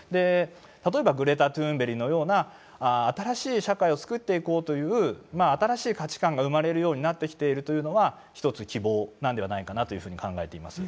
例えばグレタ・トゥーンベリのような新しい社会を作っていこうという新しい価値観が生まれるようになってきているというのは一つ希望なんではないかなというふうに考えています。